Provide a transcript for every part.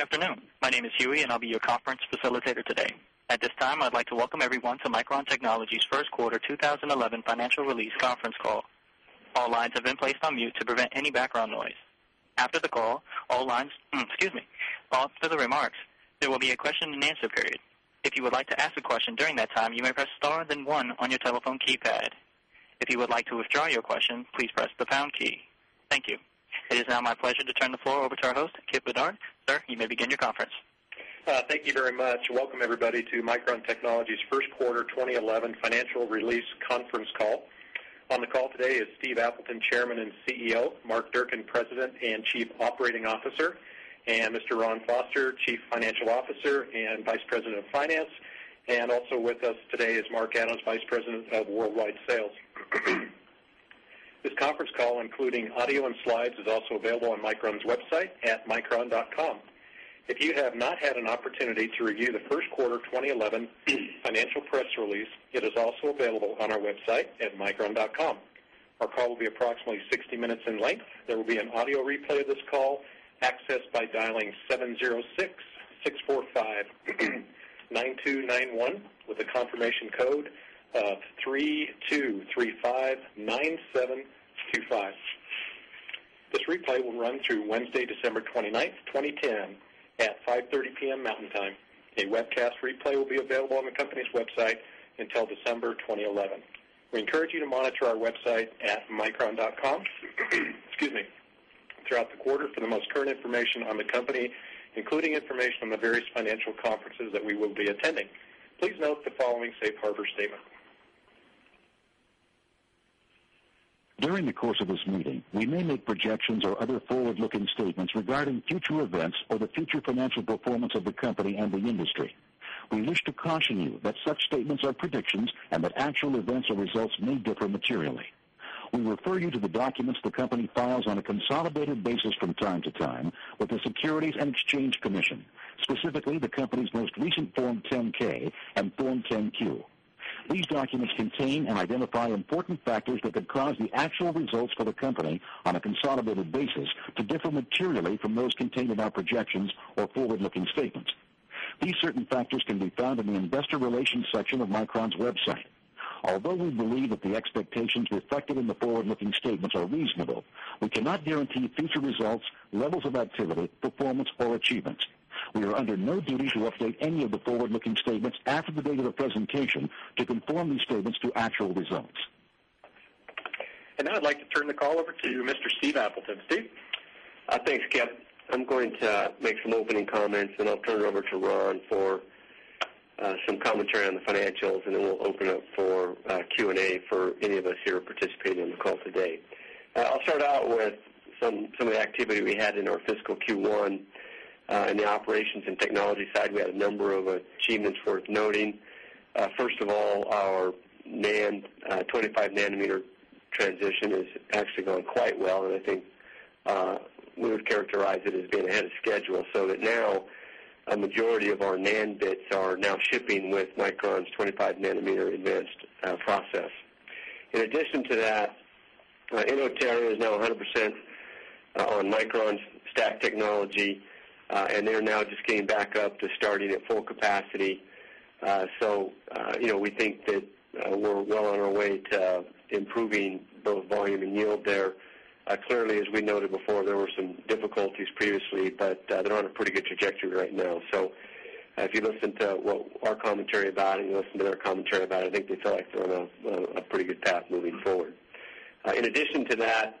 Good afternoon. My name is Huey, and I'll be your conference facilitator today. At this time, I'd like to welcome everyone to Micron Technologies first quarter 2011 financial release conference Call. All lines have been placed on mute to prevent any background noise. After the call, all lines, excuse me, all for the remarks, there will be a question and answer period Thank you. It is now my pleasure to turn the floor over to our host, Keith Bedard. Sir, you may begin your conference. Thank you very much. Welcome, everybody, to Micron Technology first quarter 2011 financial release conference call. On the call today is Steve Appleton, Chairman and CEO, Mark Durkin, President and Chief Operating Officer. And Mr. Ron Foster, Chief Financial Officer And Vice President of Finance, and also with us today is Mark Allen's Vice President of Worldwide Sales. This conference call, including audio and slides, is also available on Micron's website at micron.com. If you have not had an opportunity to review the first quarter 2011 financial press release, it is also available on our website at micron.com. Our call will be approximately 60 minutes in length. There will be an audio replay of this call accessed by dialing 706-six forty five 9291 with a confirmation code of 3,235,9725. This replay will run through Wednesday, December 29, 2010, at 5:30 pm Mountain Time. A webcast replay will be available on the company's website until December 2011. We encourage you to monitor our website at micron.com, excuse me, throughout the quarter, for the most current information on the company including information on the various financial conferences that we will be attending. Please note the following Safe Harbor statement. During the course of this meeting, we may make projections or other forward looking statements regarding future events of the company and the industry. We wish to caution you that such statements are predictions and that actual events or results may differ materially. We refer you to the documents the company files on a consolidated basis from time to time with the Securities And Exchange Commission. Specifically the company's most recent Form 10 k and Form 10 q. These documents contain and identify important factors that could cause the actual results for the company on a consolidated basis to differ materially from those contained in our projections or forward looking statements. These certain factors can be found in the Investor Relations section of Micron's website. Although we believe that the expectations reflected in the forward looking statements are reasonable, we cannot guarantee future results levels of activity, performance, or achievements. We are under no duty to update any of the forward looking statements after the date of the presentation to conform these statements to actual results. And now I'd like to turn the call over to Mr. Steve Appleton, Steve. Thanks, Kev. I'm going to make some opening comments, and I'll turn it over to Ron for some commentary on the financials, and then we'll open up for Q and A. For any of us here participating in the call today. I'll start out with some of the activity we had in our fiscal Q1. In the operations and technology side, we had a number of achievements worth noting. First of all, our NAND, 25 nanometer transition is actually going quite well. And I think, we would characterize it as being ahead of schedule so that now majority of our NAND bits are now shipping with Micron's 25 nanometer advanced process. In addition to that, Innoterra is now 100% on Micron's stack technology, and they're now just getting back up to starting at full capacity. So we think that we're well on our way to improving both volume and yield there. Clearly, as we noted before, there were some difficulties previously, but they're on a pretty good trajectory right now. So if you listen to what our commentary about and you listen to our about it. I think they feel like they're on a pretty good path moving forward. In addition to that,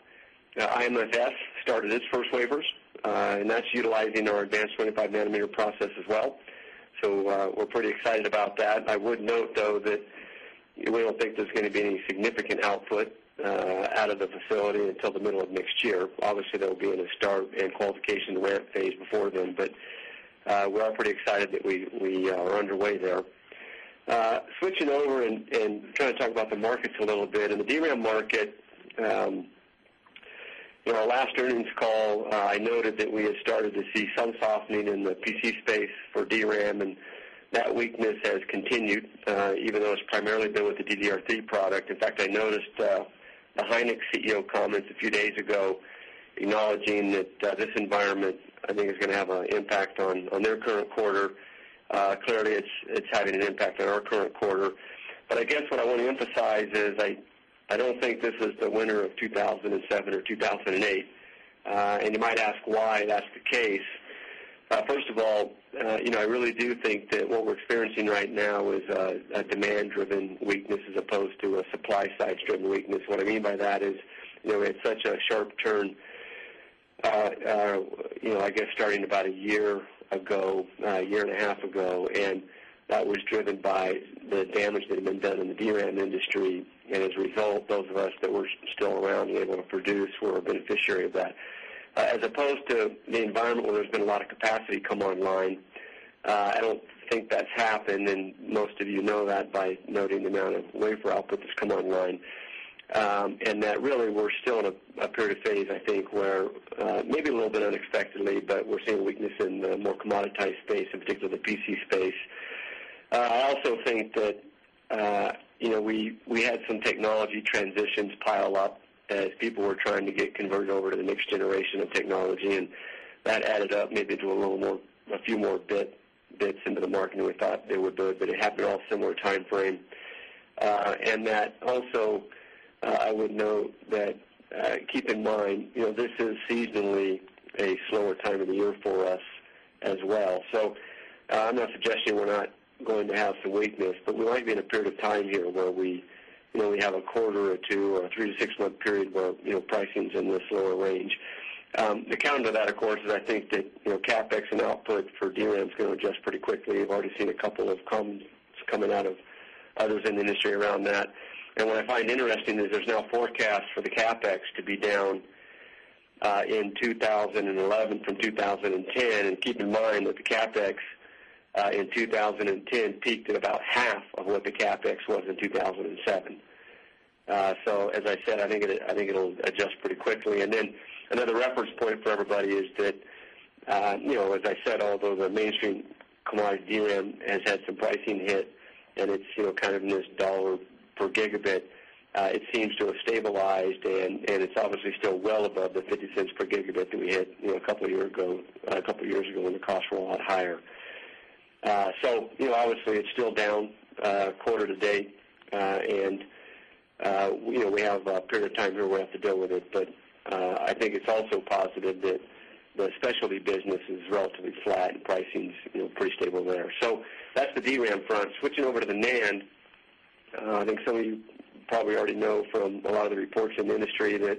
IMFS started its 1st waivers And that's utilizing our advanced 25 nanometer process as well. So, we're pretty excited about that. I would note though that we don't think there's going to be any significant output, out of the facility until the middle of next year. Obviously, there will be a start and qualification to where it pays before then, but we are pretty excited that we are underway there. Switching over and trying to talk about the markets a little bit. In the DRAM market, In our last earnings call, I noted that we had started to see some softening in the PC space for DRAM and that weakness has continued, even though it's primarily been with the DDR3 product. In fact, I noticed the Hynix CEO comments a few days ago, acknowledging that this environment, I think, is going to have an impact on their current quarter. Clearly, it's having an impact on our current quarter. But I guess what I want to emphasize is I don't think this is the winter of 2007 or 2008. And you might ask why that's the case. First of all, I really do think that what we're experiencing right now is a demand driven weakness as opposed to a supply side stream weakness. What I mean by that is It's such a sharp turn, I guess, starting about a year ago, a year and a half ago. And that was driven by the damage that had been done in the DRAM industry. And as a result, both of us that were still around able to produce were a beneficiary of that As opposed to the environment where there's been a lot of capacity come online, I don't think that's happened. And most of you know that by noting the amount of wafer output come online. And that really we're still in a period of phase, I think, where maybe a little bit unexpectedly, but we're seeing weakness in the more commoditized space particular, the PC space. I also think that, we had some technology transitions pile up as people were trying to get converted over to the next generation of technology. And that added up maybe into a little more a few more bit bits into the market and we thought they would, but it happened all similar time frame. And that also, I would note that keep in mind, this is seasonally a slower time of the year for us as well. So I'm not suggesting we're not going to have some weakness, but we might be in a period of time here where we have a quarter or 2, a 3 to 6 month period where, you know, pricings in this lower range. The counter to that, of course, is I think that CapEx and output for DRAM is going to adjust pretty quickly. You've already seen a couple of come coming out of others in the industry around that. What I find interesting is there's now forecast for the CapEx to be down in 2011 from 2010. And keep in mind that the CapEx in 2010 peaked at about half of what the CapEx was in 2007. So as I said, I think it'll adjust pretty quickly. And then another reference point for everybody is that, as I said, although the mainstream commodity DRAM has had some pricing hit, and it's, you know, kind of in this dollar per gigabit. It seems to have stabilized and it's obviously still well above the $0.50 per gigabit that we hit a couple of years ago a couple of years ago when the costs were a lot higher. So, obviously, it's still down quarter to date. And you know, we have a period of time where we have to deal with it, but, I think it's also positive that the specialty business is relatively flat in pricing pretty stable there. So that's the DRAM front. Switching over to the NAND, I think some of you probably already know from a lot of the reports in the industry that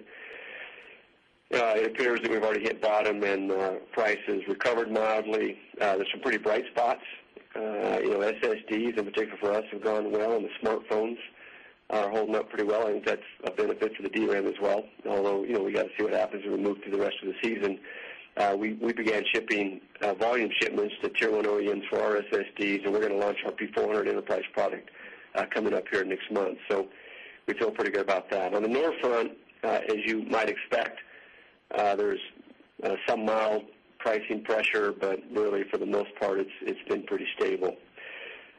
It appears that we've already hit bottom and prices recovered mildly. There's some pretty bright spots. You know, SSDs in particular for us have gone well smartphones are holding up pretty well. I think that's a benefit for the DRAM as well. Although, we got to see what happens when we move to the rest of the season. We began shipping volume shipments to Tier 1 OEMs for our SSDs, and we're going to launch our P400 enterprise product coming up here next month. So feel pretty good about that. On the north front, as you might expect, there's some mild pricing pressure, but really, for the most part, it's been pretty stable.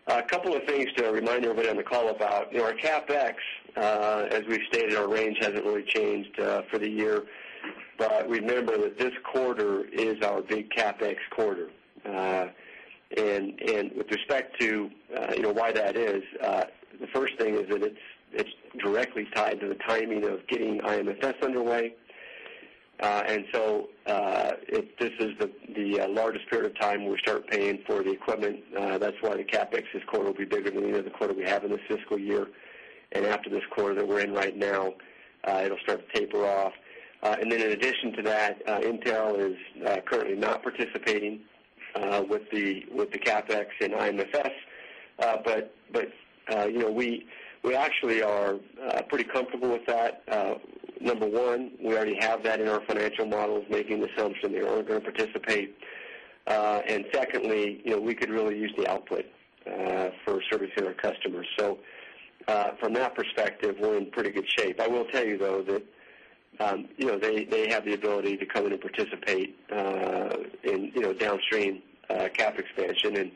A couple of things to remind everybody on the call about. Our CapEx as we've stated, our range hasn't really changed for the year. But remember that this quarter is our big CapEx quarter. And with respect to why that is, the first thing is that it's directly tied to the timing getting IMFs under way. And so, this is the largest period of time we'll start paying for the equipment that's why the CapEx this quarter will be bigger than the end of the quarter we have in the fiscal year. And after this quarter that we're in right now, it'll start to taper off And then in addition to that, Intel is currently not participating with the CapEx in IMSF. But, we actually are pretty comfortable with that. Number 1, we already have that in our financial models the assumption they are going to participate. And secondly, we could really use the output for servicing our customers. So from that perspective, we're in pretty good shape. I will tell you though that, they have the ability to come in and participate in downstream cap expansion. And,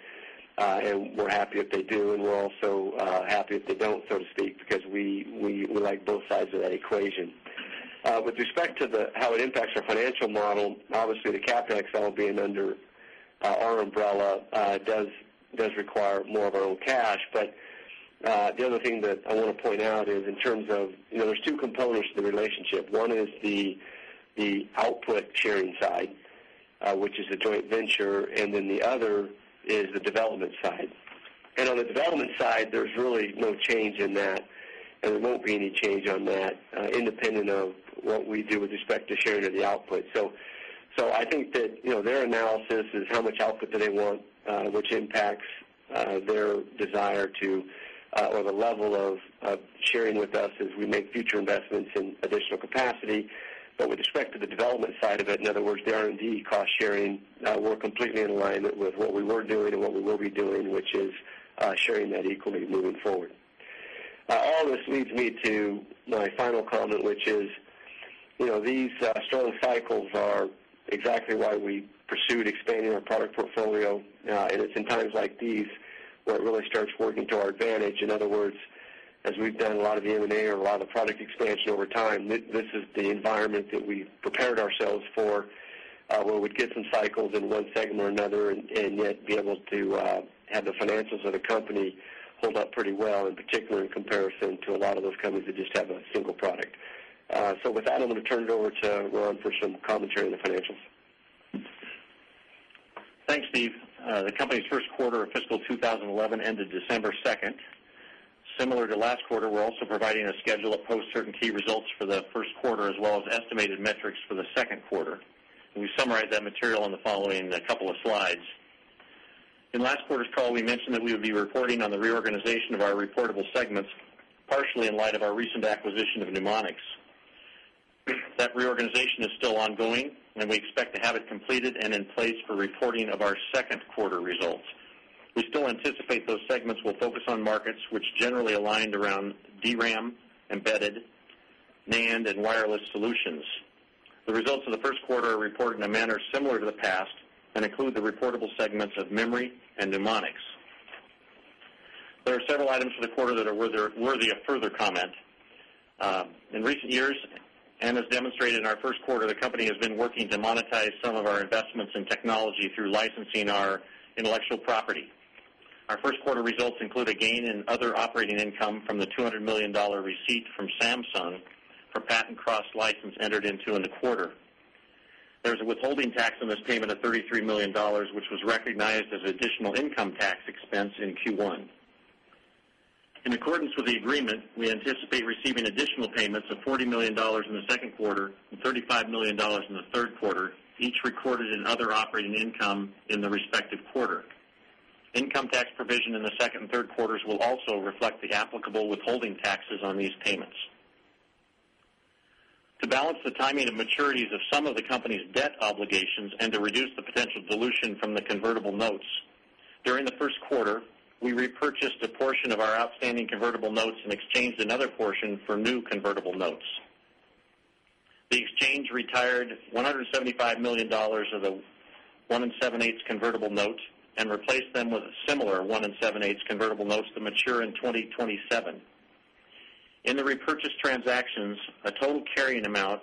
and we're happy if they do, and we're also, happy if they don't, so to speak, because we we like both sides of that equation. With respect to the how it impacts our financial model, obviously, the CapEx all being under our umbrella does does require more of our own cash, but the other thing that I want to point out is in terms of there's 2 components to the relationship. 1 is the the output sharing side, which is the joint venture, and then the other is the development side. And on the development side, there's really no change in that, and there won't be any change on that, independent of what we do with respect to sharing of the output. So So I think that their analysis is how much output that they want, which impacts their desire to or the level of sharing with us as we make future investments in additional capacity. But with respect to the development side of it, in other words, the R and D cost sharing we're completely in line with what we were doing and what we will be doing, which is sharing that equally moving forward. All this leads me to my final comment, which is these strong cycles are exactly why we pursued expanding our product portfolio. And it's in times like these, what really starts working to our advantage. In other words, as we've done a lot of the M and A or a lot of the product expansion over time, this is the environment that we prepared ourselves for where we'd get some cycles in one segment or another and yet be able to, have the financials of the company hold up pretty well in particular in comparison to a lot of come is they just have a single product. So with that, I'm going to turn it over to Ron for some commentary on the financials. Thanks, Steve. The company's first quarter of fiscal 20 quarter, we're also providing a schedule of post certain key results for the first quarter, as well as estimated metrics for the second quarter. And we summarize that material in the following couple of slides. In last quarter's call, we mentioned that we would be reporting on the reorganization of our reportable segments, partially in light of our recent acquisition of Mnemonics. That reorganization is still ongoing and we expect to have it completed and in place for reporting of our 2nd quarter results. We still anticipate those segments will focus on markets, which generally aligned around DRAM, embedded NAND and wireless solutions. The results of the first quarter are reported in a manner similar to the past and include the reportable segments of memory and mnemonics. There are several items for the quarter that are worthy of further comment. In recent years, and has demonstrated in our quarter, the company has been working to monetize some of our investments in technology through licensing our intellectual property. Our first quarter results include a gain in other operating income from the $200,000,000 receipt from Samsung There was withholding tax on this payment of $33,000,000, which was recognized as additional income tax expense in Q1. In accordance with the agreement, we anticipate receiving additional payments of $40,000,000 in the 2nd quarter $35,000,000 in the 3rd quarter each recorded in other operating income in the respective quarter. Income tax provision in the second and third quarters will also reflect the applicable withholding taxes on these pay To balance the timing of maturities of some of the company's debt obligations and to reduce the potential dilution from the convertible notes, During the first quarter, we repurchased a portion of our outstanding convertible notes and exchanged another portion for new convertible notes. The exchange retired $175,000,000 of the 17eight's convertible note and replaced them with similar 1.78s convertible notes to mature in 2027. In the repurchase transactions, a total carrying amount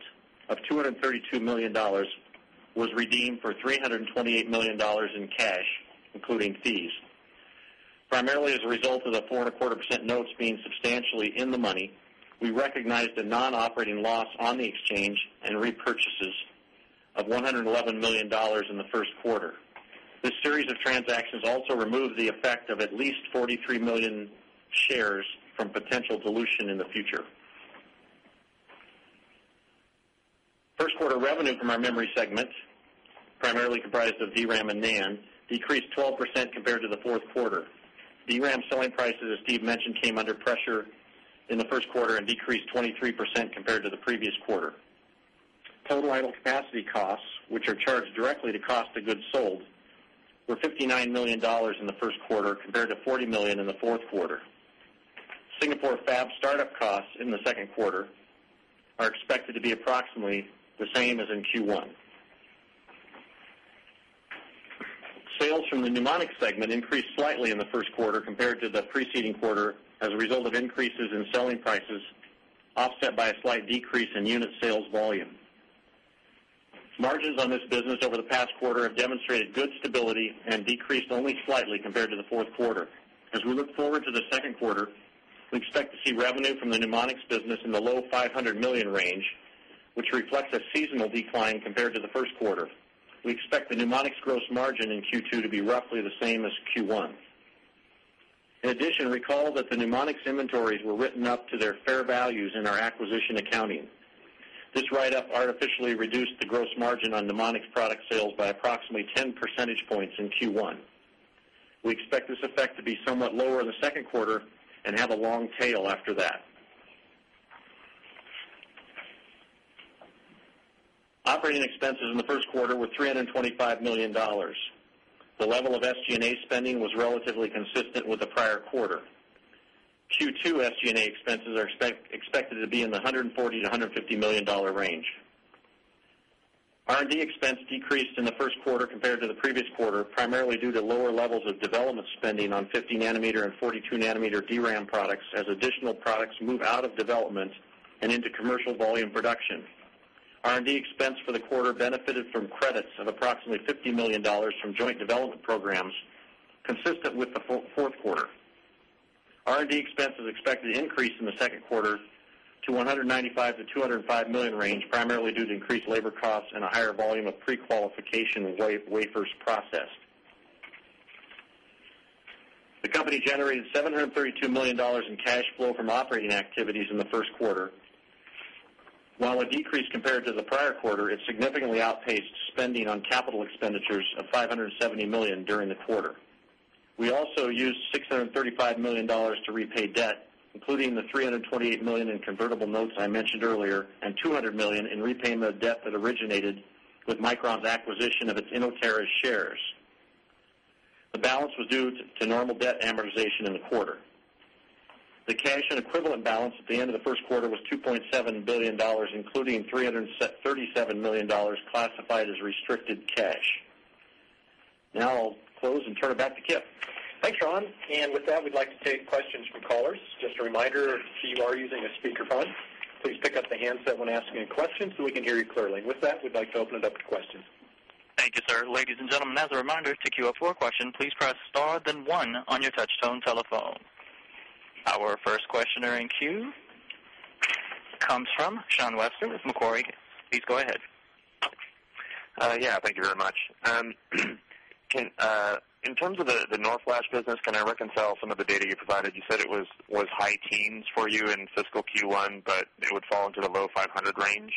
of $232,000,000 was redeemed for $328,000,000 in cash, including fees primarily as a result of the 4.25 percent notes being substantially in the money, we recognized a non operating loss on the exchange and repurchases. $111,000,000 in the first quarter. This series of transactions also removed the effect of at least 43,000,000 shares from potential dilution in the future. 1st quarter revenue from our Memory segment primarily comprised of DRAM and NAND decreased 12% compared to the fourth quarter. DRAM selling prices, as Steve mentioned, came under pressure in the first quarter and decreased 23% compared to the previous quarter. Total idle capacity costs, which are charged directly to cost of goods sold, were $59,000,000 in the 1st quarter compared to $40,000,000 in the 4th quarter. Singapore fab startup costs in the 2nd quarter are expected segment increased slightly in the first quarter compared to the preceding quarter as a result of increases in selling prices, offset by a slight decrease in unit sales volume. Margins on this business over the past quarter have demonstrated good stability and decreased only slightly compared to the 4th quarter, As we look forward to the 2nd quarter, we expect to see revenue from the Mnemonics business in the low $500,000,000 range, which reflects a seasonal decline compared to the 1st quarter. We expect the Pneumonics gross margin in Q2 to be roughly the same as Q1. In addition, recall that the Pneumonics inventories were written sales by approximately 10 percentage points Operating expenses in the first quarter were $325,000,000. The level of SG and expected to be in spending on 50 nanometer and 42 nanometer DRAM products as additional products move out of development and into commercial volume production. R and D expense for the quarter benefited from credits of approximately $50,000,000 from joint development programs, consistent with the fourth quarter. R and D expense is expected to increase labor costs and a higher volume of prequalification wafers processed. The company generated $732,000,000 cash flow from operating activities in the first quarter. While a decrease compared to the prior quarter, it significantly outpaced spending on capital expenditures of $570,000,000 during the quarter. We also used $635,000,000 to repay debt including the $328,000,000 in convertible notes I mentioned earlier and $200,000,000 in repayment of debt that originated with Micron's acquisition of its Innoterra shares. The balance was due to normal debt amortization in the quarter. The cash and equivalent balance at the end of the first quarter was two $700,000,000 including $337,000,000 classified as restricted cash. Now I'll close and turn it back to Kipp. Thanks, Ron. And with that, we'd like to take questions from callers. Just a reminder, if you are using a speaker phone, please pick up the handset when asking questions so we can hear you clearly. With that, we'd like to open it question. Our first questioner in queue comes from Sean Weston with Macquarie. Please go ahead. Yeah. Thank you very much. Can, in terms of the North Flash business, can I reconcile some of the data you provided? You said it was high teens for you in fiscal Q1, but it would fall into the low 500 range.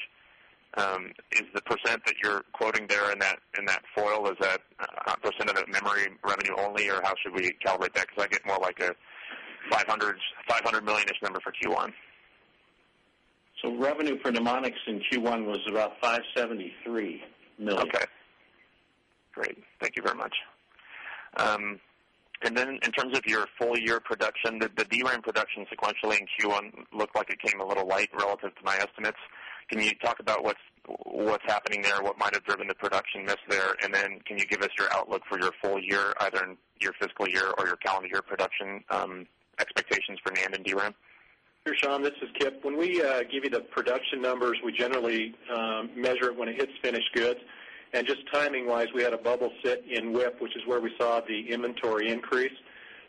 Is the percent that you're quoting there in that in that foil, is that a 100 percent of the memory revenue only, or how should we calibrate that? So I get more like a 500 500,000,000 ish number for q 1. So revenue for mnemonics in Q1 was about $573,000,000. And then in terms of your full year production, the DRAM production sequentially in Q1 looked like it came a little light relative to my estimates, Can you talk about what's happening there? What might have driven the production miss there? And then can you give us your outlook for your full year either in your fiscal year or your calendar year production, expectations for NAND and DRAM? Sure, Sean. This is Kipp. When we give you the production numbers, we generally measure it when it hits finished goods. And just timing wise, we had a bubble sit in WIP, which is where we saw the inventory increase.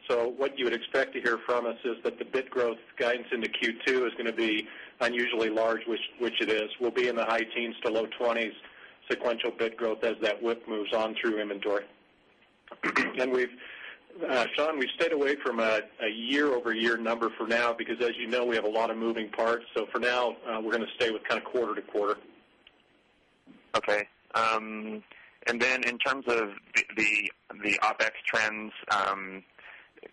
So what you would expect to hear from us is that the bit growth guidance into Q2 is going to be unusually large, which it is. We'll be in the high teens to low 20s. Sequential bit growth as that width moves on through inventory. And we've, Sean, we've stayed away from a year over year number for now because as we have a lot of moving parts. So for now, we're going to stay with kind of quarter to quarter. And then in terms of the OpEx trends,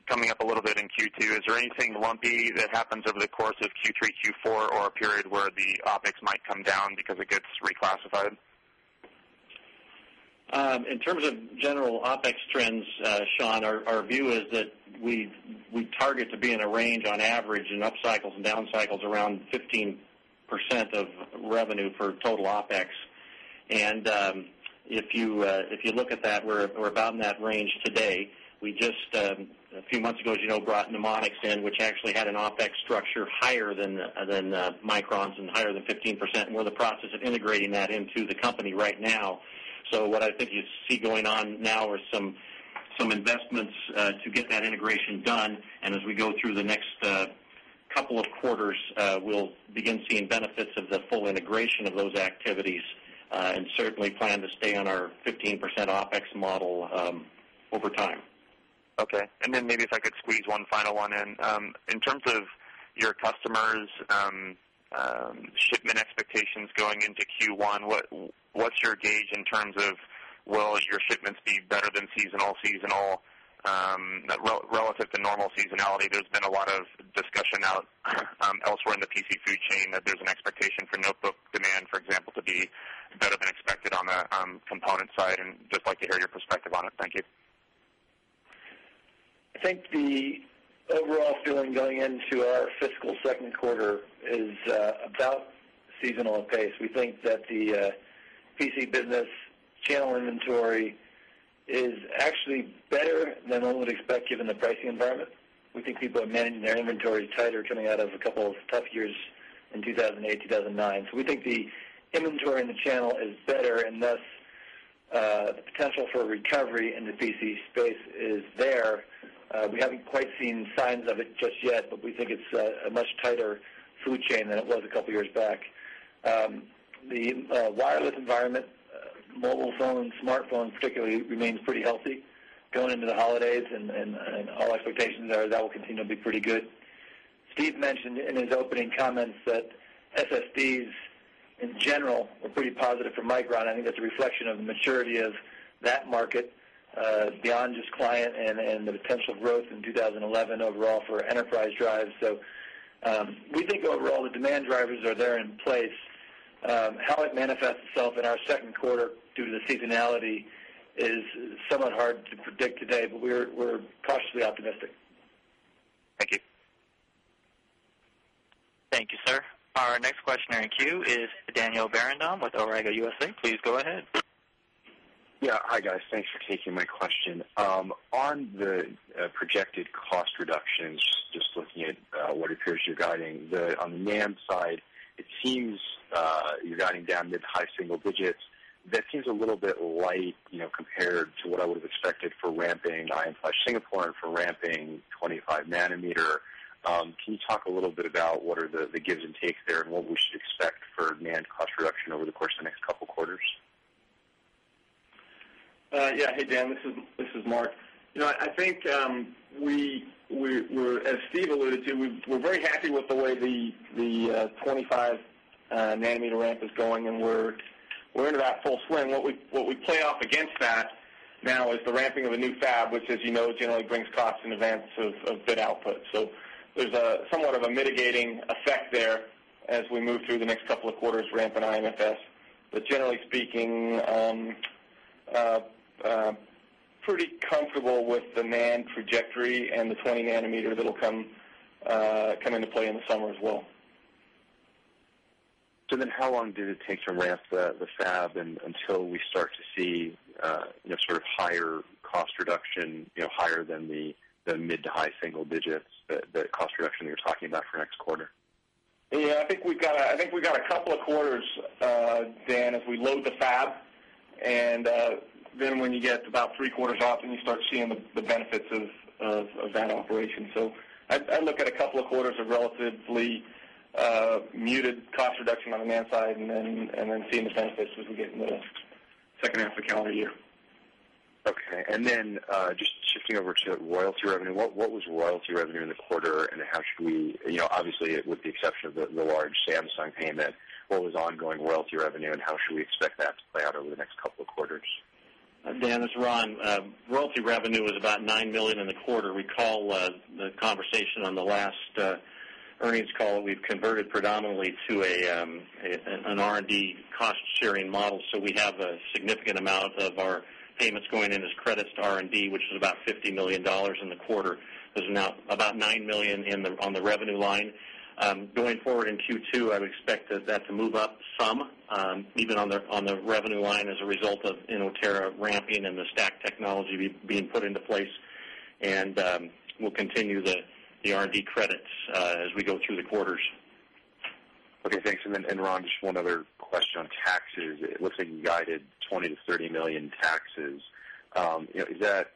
coming up a little bit in Q2, is there anything lumpy that happens over the course of Q3 Q4 or a period where the OpEx might come down because it gets reclassified? In terms of general OpEx trends, Sean, our view is that we target to be in a range on average and up cycles and down cycles around 15 percent of revenue for total OpEx. And, if you, if you look at that, we're about in that range today. We just, a few months ago, as you know, brought mnemonics in, which actually had an OpEx structure higher than integrating that into the company right now. So what I think you see going on now are some investments to get that integration done. And as we go through the couple of quarters, we'll begin seeing benefits of the full integration of those activities and certainly plan to stay on our 15% OpEx model, over time. Okay. And then maybe if I could squeeze one final one in, in terms of your customers, shipment expectations going into Q1. What's your gauge in terms of will your shipments be better than seasonal, seasonal relative to normal seasonality, there's been a lot of discussion out elsewhere in the PC food chain that there's an expectation for notebook demand, for example, to be better than expected on the component side and just like to hear your perspective on it? Thank you. I think the overall feeling going into our fiscal second quarter is about seasonal pace. We think that PC business channel inventory is actually better than I would expect given the pricing environment. Think people are managing their inventory tighter coming out of a couple of tough years in 2008, 2009. So we think the inventory in the channel is better and thus the potential for recovery in the VC space is there. We haven't quite seen signs of it just yet, but we think it's a much tighter food chain than it was a couple of years back. The wireless environment, mobile phones, smartphones, particularly remains pretty healthy. Going into the holidays and all expectations are that will continue to be pretty good. Steve mentioned in his opening comments that SSDs in general, we're pretty positive for Micron. I think that's a reflection of the maturity of that market, beyond this client and the potential growth 2011 overall for enterprise drives. So, we think overall, the demand drivers are there in place, how it manifests itself in our second quarter due to the seasonality is somewhat hard to predict today, but we're cautiously optimistic. Thank you, sir. Our next questioner in queue is Daniel Barandome with Orango USA. Please go ahead. Yes, hi guys. Thanks for taking my question. On the projected cost reductions, just looking at what appears you're guiding on the NAND side, it seems, you're guiding down mid to high single digits. That seems a little bit light compared what I would have expected for ramping I n slash Singapore for ramping 25 nanometer. Can you talk a little bit about what are the gives and takes there and what we should expect for NAND cost reduction over the course of the next couple of quarters? Yes. Hey, Dan, this is Mark. I think, we were, as Steve alluded to, we're very happy with the way the 25 nanometer ramp is going and we're into that full swing. What we play off against that now is the ramping of a new fab, which, as you know, generally brings costs in advance of bid output. So there's a somewhat of a mitigating effect there as we move through the next couple of quarters ramp in IMS. But generally speaking, pretty comfortable with the NAND trajectory and the 20 nanometer that'll come into play in the summer as well. So then how long did it take to ramp the fab until we start to see, sort of higher cost reduction higher than the mid to high single digits, the cost reduction that you're talking about for next quarter? Yes, I think we've got a couple of quarters, Dan, if we load the fab and then when you get about three quarters off and you start seeing the benefits of that operation. So I look at a couple of quarters of relatively muted cost reduction on the man side and then seeing the benefits as we get in the middle. Second half of the calendar year. Okay. And then just shifting over to royalty revenue, what was royalty revenue quarter? And how should we obviously with the exception of the large Samsung payment, what was ongoing royalty revenue and how should we expect that to play out over the next couple of quarters? Dan, this is Ron. Royalty revenue was about $9,000,000 in the quarter. Recall the conversation on the last earnings call, we've converted predominantly to a, an R and D cost sharing model. So we have a significant amount of our payments going in as credits to R&D, which is about $50,000,000 in the quarter. There's about $9,000,000 in the on the revenue line. Going forward in Q2, I would expect that that to move up some, even on the revenue line as a result of Tera ramping and the STACK technology being put into place and, we'll continue the R and D credits as we go through the quarters. Okay, thanks. And then, and Ron, just one other question on taxes. It looks like you guided $20,000,000 to $30,000,000 taxes. Is that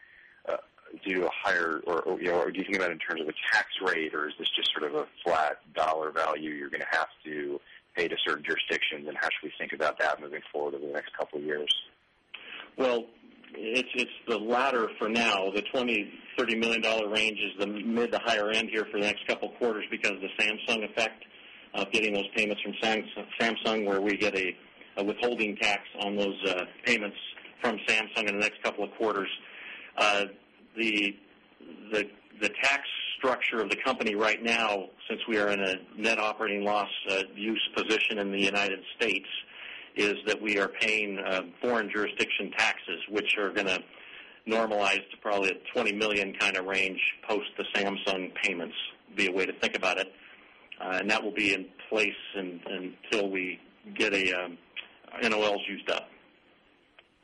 do you have a higher or do you think about in terms of a tax rate or is this just sort of a flat dollar value you're going to have to pay to certain jurisdictions? And how should we think about that moving forward over the next couple of years? Well, it's the latter for now, the 20 $30,000,000 range is the mid to higher end here for the next couple of quarters because of the Samsung effect, getting those payments from Samsung, where we get a withholding tax on those payments from Samsung in the next couple of quarters. The tax structure of the company right now since we are in a net operating loss use position in the United States is that we are paying a foreign jurisdiction tax which are going to normalize to probably a $20,000,000 kind of range post the Samsung payments be a way to think about it. And that will be in place until we get a NOLs used up.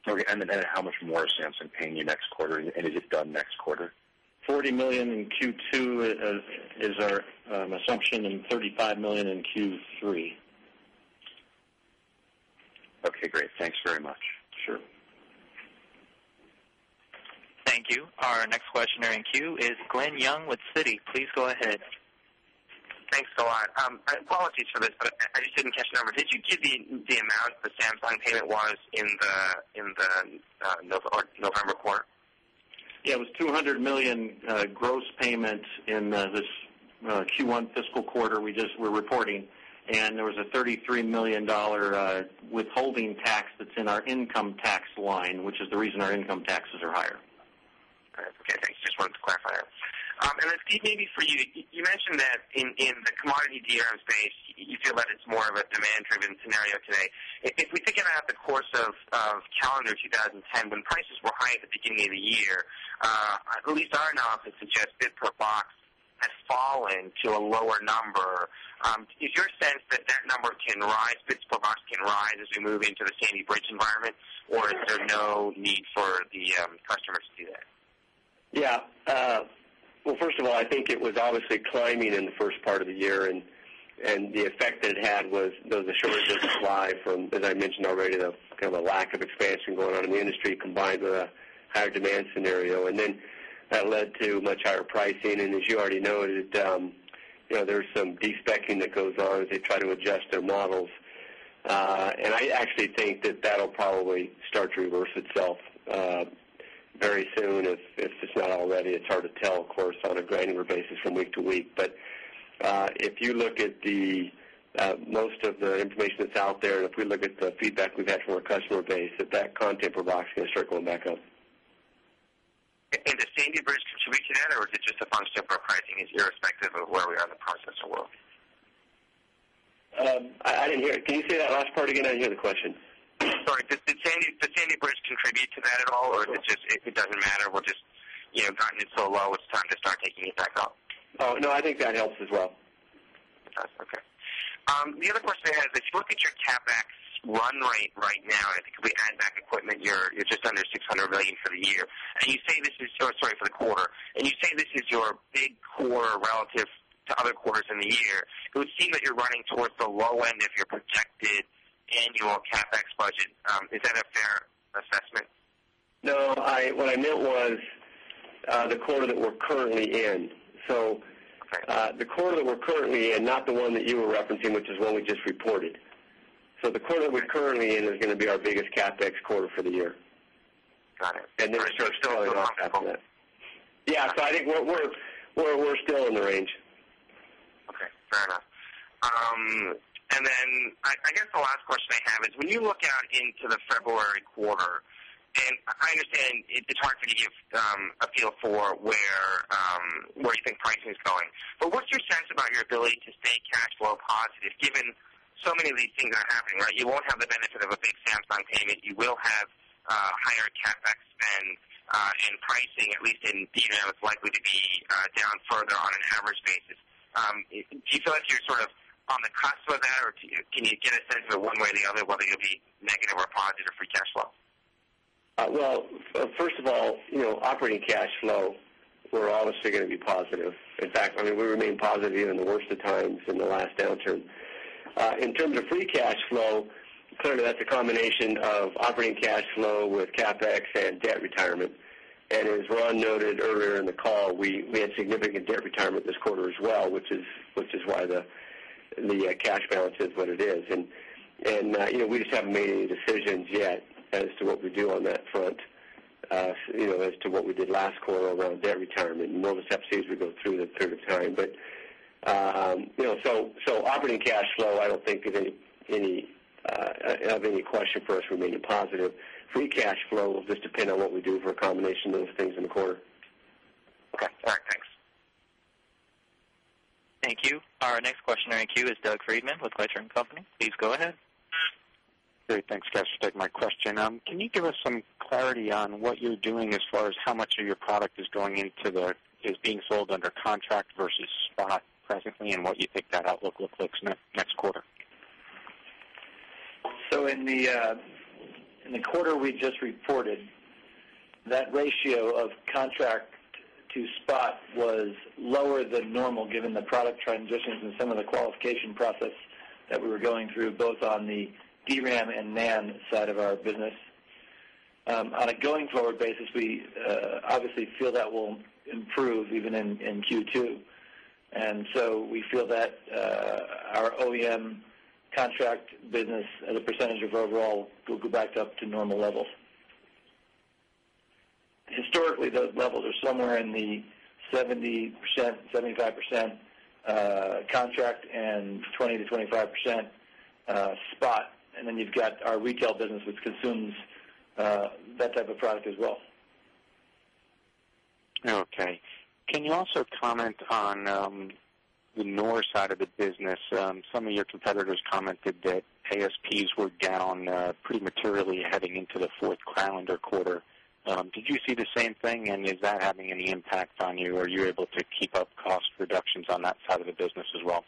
Okay. And then how much more sense in paying quarter and is it done next quarter? $40,000,000 in Q2 is our assumption in $35,000,000 in Q3. Our next questioner in queue is Glenn Young with Citi. Please go ahead. Thanks a lot. Apologies for this, but I just didn't catch the number. Did you give the amount the Samsung payment was in the in the November quarter? Yes, it was $200,000,000 gross payment in this Q1 fiscal quarter. We just were reporting And there was a $33,000,000 withholding tax that's in our income tax line, which is the reason our income taxes are higher. Okay, thanks. Just wanted to clarify that. And then Keith, maybe for you, you mentioned that in the commodity DRAM space, you feel that it's more of a demand driven scenario today. If we're thinking about the course of of calendar 2010 when prices were high at the beginning of the year, at least not enough, it suggests bid per box that fall into a lower number. Is your sense that that number can rise, bits per box can rise as we move into the Sandy Bridge environment Or is there no need for the customers to do that? Yes. Well, 1st of all, I think it was obviously climbing in the 1st part of the year. And And the effect that it had was those initiatives apply from, as I mentioned already, the lack of expansion going on in the industry combined with higher demand scenario. And then that led to much higher pricing. And as you already noted, there's some defecting that goes on as they try to adjust their models. And I actually think that that'll probably start to reverse itself, very soon. If it's not already, it's hard tell, of course, on a granular basis from week to week. But, if you look at the most of the information that's out there and if we look at the feedback we've had from our customer, base that that content per box is circling back up. And the St. D. Bridge can add, or is it just a function of repricing? Is irrespective of where we are in the process of work? I didn't hear it. Can you say that last part again? I didn't hear the question. Sorry. The Sandy Bridge contribute to that at all or it just it doesn't matter. We'll just guidance so low, it's time to start taking it back up. Oh, no. I think that helps as well. Okay. The other question I had, if you look at your CapEx, run rate right now. I think if we add back equipment, you're just under $600,000,000 for the year. And you say this is short, sorry, for the quarter. And you say this is your big quarter relative to other quarters in the year, it would seem that you're running towards the low end if you're projected and your CapEx budget. Is that a fair assessment? No. I, what I meant was, the quarter that we're currently in. So the quarter that we're currently in, not the one that you were referencing, which is one we just reported. So the quarter that we're currently in is going to be our biggest CapEx quarter for the year. Got it. And the restructuring is still in the range. Yes, so I think we're still in the range. Okay, fair enough. And then I I guess the last question I have is when you look out into the February quarter and I understand it's hard for you a feel for where, where do you think pricing is going? But what's your sense about your ability to stay cash flow positive given so many of these things are happening. Right? You won't have the benefit of a big Samsung payment. You will have, higher CapEx spend, in pricing, at least in, you know, it's likely to be down further on an average basis. Do you feel like you're sort of on the cusp of that, or can you get a sense of one way or the other, whether it'll be negative or positive free cash flow? Well, 1st of all, operating cash flow were obviously going to be positive. In fact, I mean, we remain positive even the worst of times in the last downturn. In terms of free cash flow, clearly, that's a combination of operating cash flow with CapEx and debt retirement. And as Ron noted earlier in the call, we had significant debt retirement this quarter as well, which is why the cash balance is what it is. And And we just haven't made any decisions yet as to what we do on that front, as to what we did last quarter around debt return and more of the subsidies we go through the 3rd time. But, so operating cash flow, I don't think that any any of any question for us remaining positive. Free cash flow will just depend on what we do for a combination of those things in the quarter. Thank you. Our next questioner in queue is Doug Freeman with Gladstone Company. Please go ahead. Great, thanks guys for taking my question. Can you give us some clarity on what you're doing as far as how much of your product is going into the is being sold under contract versus spot presently and what you think that outlook looks next next quarter. So in the quarter, we just reported that ratio of contract to spot was lower than normal given the product transitions and some of the qualification process that we were going through both on the DRAM and NAND side of our business. On a going forward basis, we obviously feel that will improve even in Q2. And so we feel that our OEM contract business as a percentage of overall Google backed up to normal levels. Historically, those levels are somewhere in the 70%, 75% contract and 20% to 25% spot. And then you've got our retail business, which consumes, that type of product as well. Okay. Can you also comment on, the north side of the business? Some of your competitors commented that ASPs were down, pretty materially heading into the 4th Crown or quarter. Did you see the same thing? And is that having any impact on you. Are you able to keep up cost reductions on that side of the business as well?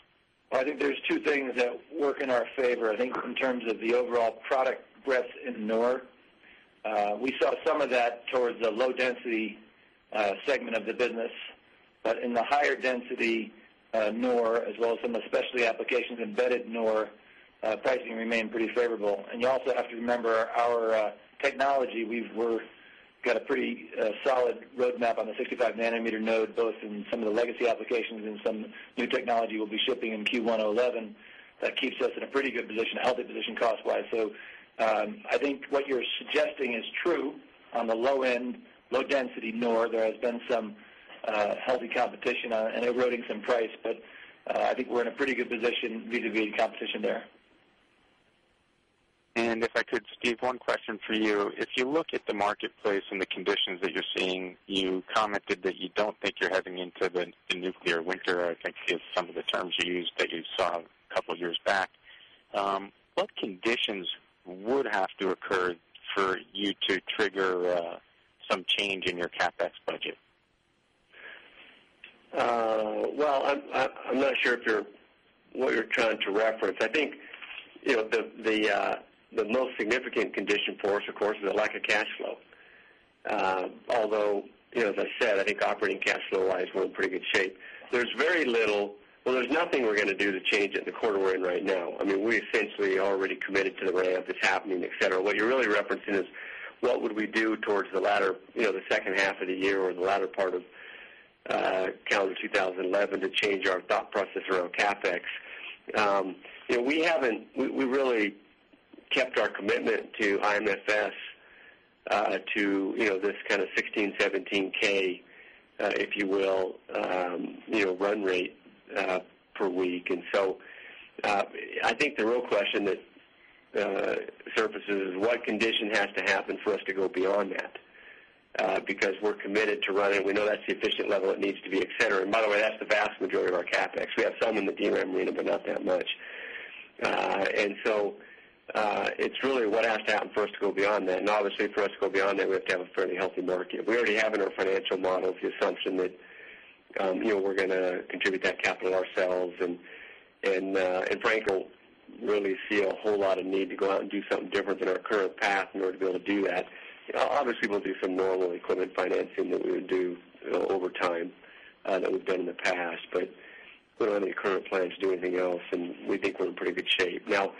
Well, I think there's two things that work in our favor. I think in terms of the overall product breath in Nora. We saw some of that towards the low density segment of the business, but in the higher density, nor, as well as some of the specialty applications embedded nor, pricing remain pretty favorable. And you also have to remember our technology we've got a pretty solid roadmap on the 65 nanometer node, both in some of the legacy applications and some new technology will be shipping in Q101011. That keeps us in a pretty good position, healthy position cost wise. So, I think what you're suggesting is true on the low end low density nor there has been some, healthy competition and eroding some price, but I think we're in a pretty good position vis a vis competition there. And if I could, Steve, one question for you. If you look at the marketplace and the conditions that you're seeing, you commented that you don't think you're heading into the nuclear winter, I think, is some of the terms you used that you saw a couple of years back. What conditions would have to occur for you to trigger, some change in your CapEx budget? Well, I'm not sure if you're what you're trying to reference. I think the most significant condition for us, of course, is a lack of cash flow. Although, as I said, I think operating cash flow wise we're in pretty good shape. There's very little, well, there's nothing we're going to do to change it in the quarter we're in right now. Mean, we essentially are already committed to the rail that's happening, etcetera. What you're really referencing is, what would we do towards the latter, the second half of the year or the latter part of calendar 2011 to change our thought process around CapEx. We haven't we really kept our commitment to IMS, to this kind of 16, 17 K if you will, run rate per week. And so I think the real question that surfaces what condition has to happen for us to go beyond that, because we're committed to running. We know that's the efficient level it needs to be And by the way, that's the vast majority of our CapEx. We have some in the DRAM arena, but not that much. And so, it's really what has to happen first beyond that. And obviously for us to go beyond that, we have to have a fairly healthy market. We already have in our financial models, the assumption that, we're going to contribute that capital ourselves and and Frank will really see a whole lot of need to go out and do something different than our current path in order to be able to do that. Obviously, we'll do some normal equipment financing that we would do over time that we've done in the past, but we're on the current plans to do anything else, and we think we're in pretty good shape. Now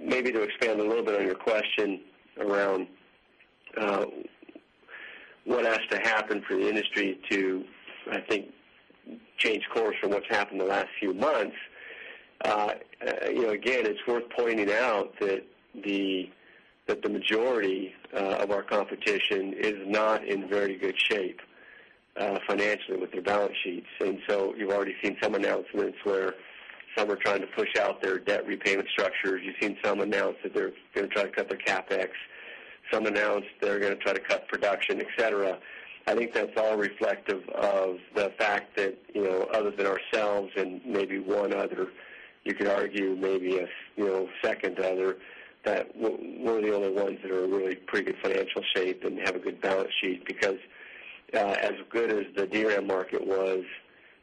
maybe to expand a little bit on your question around what has to happen for the industry to, I think, changed course from what's happened in the last few months, again, it's worth pointing out that the that the majority of our competition is not in very good shape, financially with their balance sheets. And so you've already seen some announcements where Some are trying to push out their debt repayment structures. You've seen some announced that they're trying to cut their CapEx. Some announced they're going to try to cut production, etcetera. I think that's all reflective of the fact that other than ourselves and maybe one other, you can argue maybe second to other that we're the only ones that are really pretty good financial shape and have a good balance sheet because as good as the DRAM market was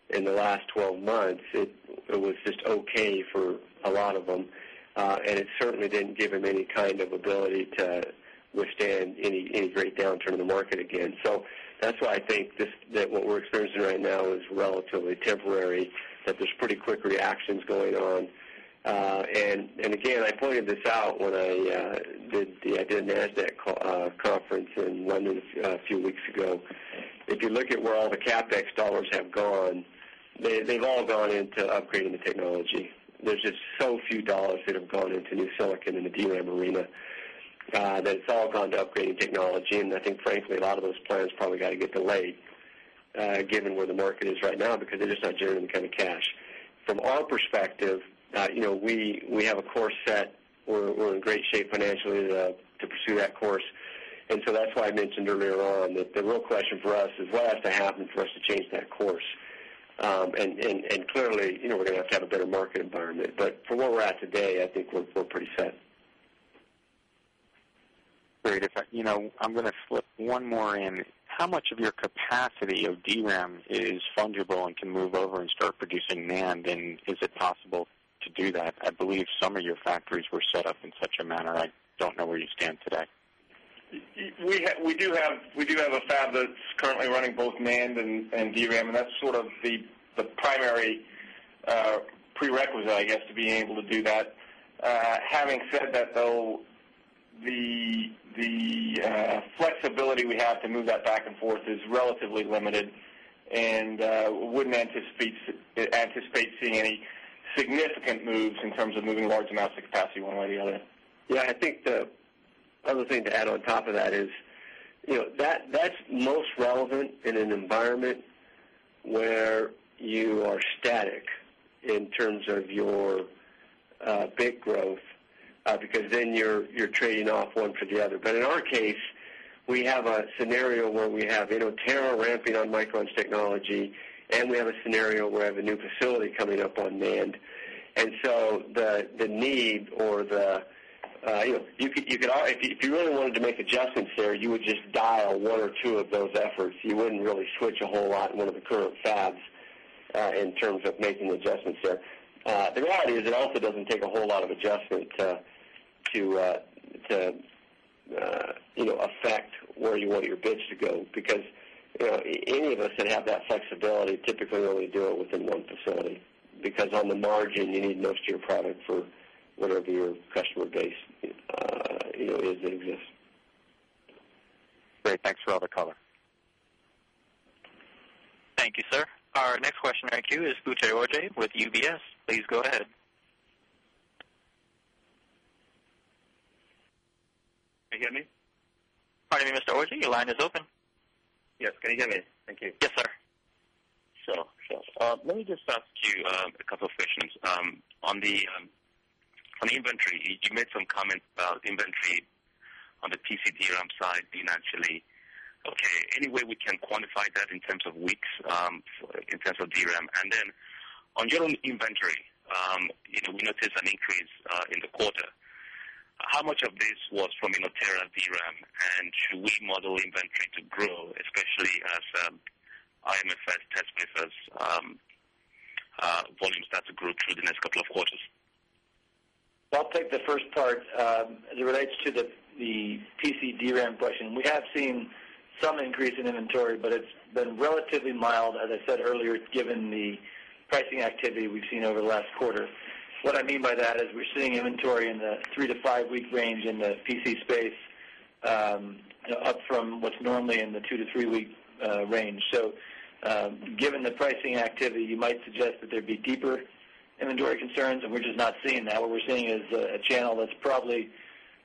in the last 12 months, it was just okay for a lot of them. And it certainly didn't give him any kind of ability to withstand any great downturn in the market again. So that's why I think this that what we're experiencing right now is relatively temporary that there's pretty quick reactions going on. And again, I pointed this out when I did the identity NASDAQ conference in London a few weeks ago. If you look at where all the CapEx dollars have gone, they've all gone into upgrading the technology. There's just so few dollars that have gone into new silicon and the DRAM arena. That it's all gone to upgrading technology. And I think frankly, a lot of those plans probably got to get delayed, given where the market is right now, because they're just not generating the kind of cash. From our perspective, we have a course set. We're in great shape financially to pursue that course And so that's why I mentioned earlier on that the real question for us is what has to happen for us to change that course. And clearly, we're going to have to have a better market environment. Where we're at today, I think we're pretty set. Great. I'm going to flip one more in how much of your capacity of DRAM is fungible and can move over and start producing NAND and is it possible to do that. I believe some of your factories were set up in such a manner. I don't know where you stand today. We do have a fab currently running both MAND and DRAM. And that's sort of the primary prerequisite, I guess, to be able to do that Having said that though, the flexibility we have to move that back and forth is relatively limited and wouldn't anticipate seeing any significant moves in terms of moving large amounts of capacity one way or the other. Yes, I think the other thing to add on top of that is, that's most relevant in an environment where you are static in terms of your big growth because then your trading off one for the other. But in our case, we have a scenario where we have an Otero ramping on Micron's technology and we have a scenario where we have a new facility coming up on NAND. And so the need or the you could, you could, if you really wanted to make adjustments there, you would just dial 1 or 2 of those efforts. You wouldn't really switch a whole lot into the current fabs. In terms of making adjustments there. The reality is it also doesn't take a whole lot of adjustment to effect where you want your bids to go because any of us that have that flexibility typically only do it within one facility. Because on the margin, you need most of your product for whatever your customer base, is that exists. Great. Thanks for all the color. Thank you, sir. Our next question in our queue is Buchi Juj with UBS. Please go ahead. Can you hear me? Sure. Sure. Let me just ask you a couple of questions. On the inventory, you made some comments about inventory on the PC DRAM side being actually, okay, any way we can quantify that in terms of Wix, in terms of DRAM and then On general inventory, it will notice an increase in the quarter. How much of this was from Inoterra DRAM And should we model inventory to grow, especially as, IMFS test papers, volumes that's a group through the next couple of quarters? I'll take the first part. As it relates to the PC DRAM push and we have seen some increase in inventory, but it's been relatively mild, as I said earlier, given the pricing activity we've seen over the last quarter. What I mean by that is we're seeing inventory in 3 to 5 week range in the PC space, up from what's normally in the 2 to 3 week range. So Given the pricing activity, you might suggest that there'd be deeper inventory concerns, and we're just not seeing that. What we're seeing is a channel that's probably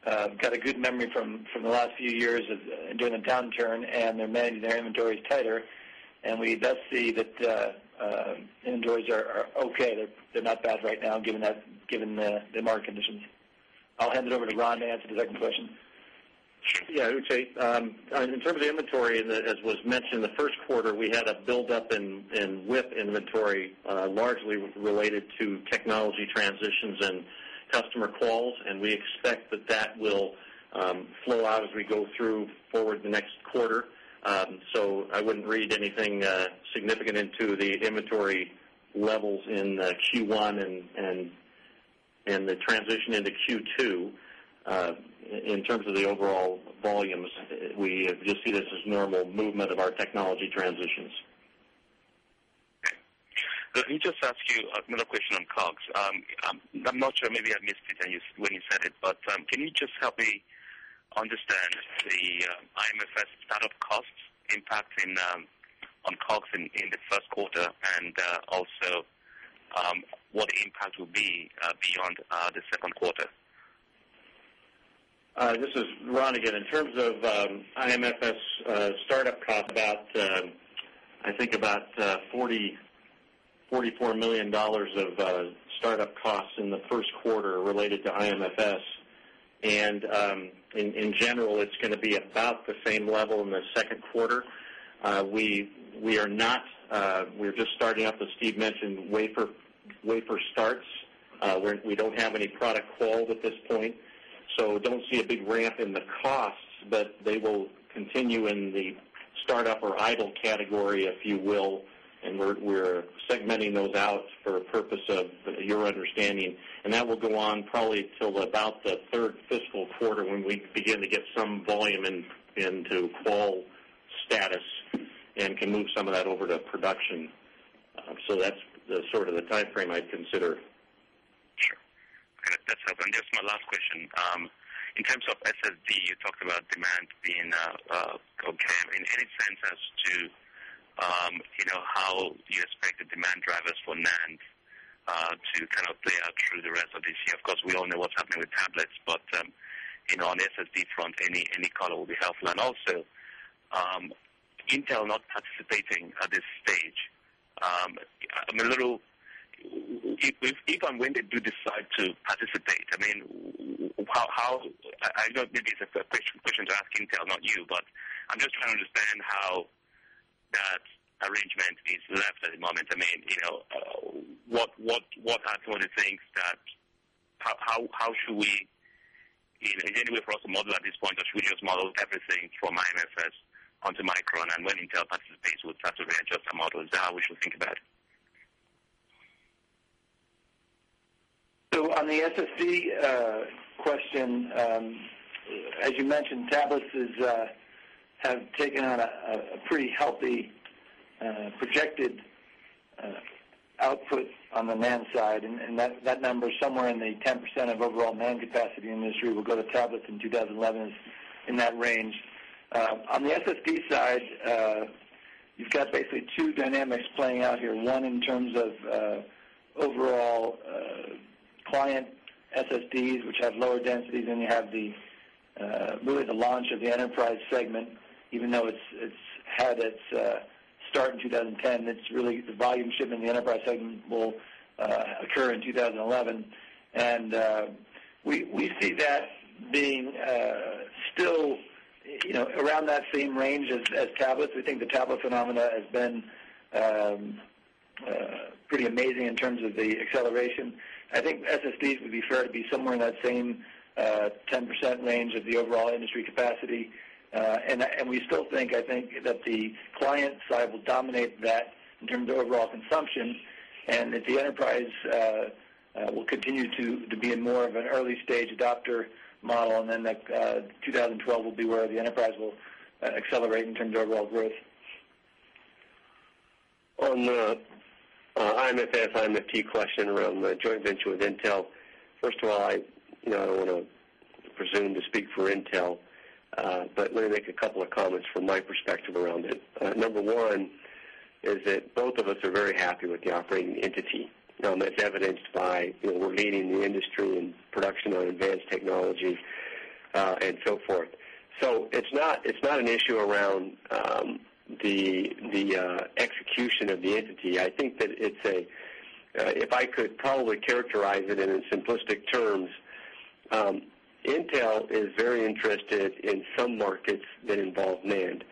I've got a good memory from the last few years during the downturn and they're managing their inventories tighter. And we thus see that, enjoys are okay. They're not bad right now given the market conditions. I'll hand it over to Ron to answer the second question. Yes, Ute. In terms of inventory, as was mentioned, in the first quarter, we had a buildup in WIP inventory largely related to technology transitions and customer calls. And we expect that that will, flow out as we go through forward the next quarter. So I wouldn't read anything significant into the inventory levels in Q1 and and the transition into Q2, in terms of the overall volumes, we just see this as normal movement of our technology transitions. Let me just ask you another question on COGS. I'm not sure maybe I missed it when you said it, but can you just help me understand the IMFS startup costs impacting, on COGS in the first quarter and also what impact will be beyond the 2nd quarter? This is Ron again. In terms of IMFS startup costs about, I think about $44,000,000 of startup costs in the first quarter related to IMFS. And, in general, it's going to be about the same level in the second quarter. We are not we're just starting up as Steve mentioned wafer starts. We don't have any product called at this point. So don't see a big ramp in the costs, but they will continue in the startup or idle category, if you will, and we're, we're segmenting those out for a purpose of your understanding. And that will go on probably till about the 3rd quarter when we begin to get some volume into quo status and can move some of that over to production. So that's the sort of the time frame I'd consider. Sure. Okay. That's helpful. And just my last question. In terms of asset you talked about demand being a cokem in any sense as to, how you expect the demand drivers for NAND to kind of play out through the rest of this year. Of course, we don't know what's happening with tablets, but in all the SSD front, any color will be helpful. And also, Intel not participating at this stage. I'm a little if I'm going to do side to participate? I mean, how I thought maybe it's a question to ask Intel, not you, but I'm just trying to understand how that arrangement is left at the moment. I mean, what that's one of the things that how should we in any way across the model at this point of studios model everything from my MFS onto Micron and when Intel basis with types of range of the models, how we should think about it? So on the SSC question, as you mentioned, tablets is, have taken on a pretty healthy projected output on the NAND side. And that number somewhere in the 10% of overall NAND capacity industry will go to tablet in 2011 is in that range. On the SSP side, you've got basically 2 dynamics playing out here, one in terms of overall, client SSDs, which have lower densities than you have the, really the launch of the enterprise segment, even though it's had its start in 2010, it's really the volume shipment in the enterprise segment will occur in 2011. And we see that being still around that same range as tablets. We think the tablet phenomena has been pretty amazing in terms of the acceleration. I think SSDs would be fair to be somewhere in that same 10% range of the overall industry capacity And we still think, I think, that the client side will dominate that in terms of overall consumption. And at the enterprise will continue to be in more of an early stage adopter model. And then 2012 will be where the enterprise will accelerate in terms of overall growth. On the IMFS, I'm a key question around the joint venture with Intel. First of all, I don't want to presumed to speak for Intel. But let me make a couple of comments from my perspective around it. Number 1, is that both of us are very happy with the operating entity, known as evidenced by, you know, we're gaining the industry and production on advanced technology. And so forth. So it's not an issue around, the execution of the entity. I think that it's a if I could probably characterize it in simplistic terms, Intel is very interested in some markets that involve NAND.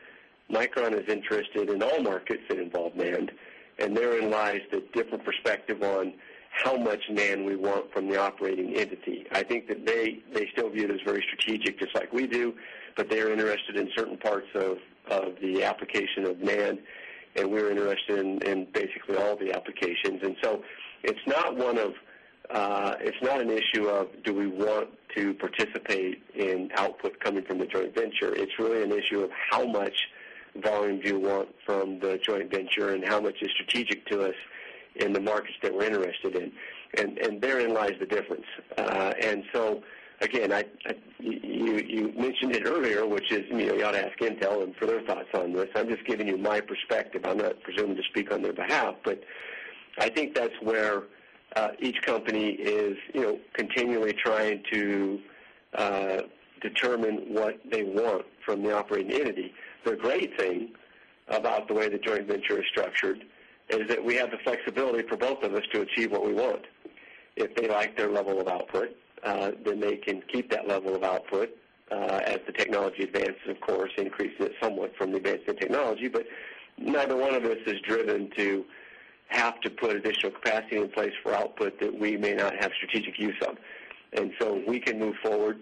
Micron is interested in all markets that involve NAND and therein lies a different perspective on how much NAND we want from the operating entity. I think that they still view it as very strategic just like we do, but they are interested in certain parts of the application of NAND. And we're interested in base with all the applications. And so it's not one of it's not an issue of do we want to participate in output coming from the joint venture. It's really an issue of how much volume do you want from the joint venture and how much is strategic to us in the markets that we're interested in and therein lies the difference. And so again, you mentioned it earlier, which is you ought to ask Intel their thoughts on this. I'm just giving you my perspective. I'm not presume to speak on their behalf, but I think that's where each company is continually trying to, determine what they want from the operating entity. The great thing about the way the joint venture is structured is that we have the flexibility for both of us to achieve what we want if they like their level of output then they can keep that level of output as the technology advances, of course, increase it somewhat from the advancement technology. But neither one of us is driven to have to put additional capacity in place for output that we may not have strategic use of. And so we can move forward